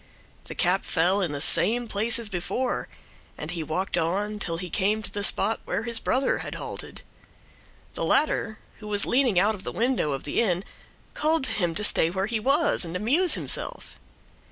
The cap fell in the same place as before, and he walked on till he came to the spot where his brother had halted. The latter, who was leaning out of the window of the inn, called to him to stay where he was and amuse himself.